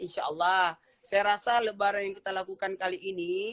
saya rasa lebaran yang kita lakukan kali ini